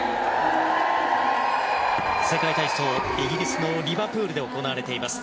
世界体操イギリスのリバプールで行われています。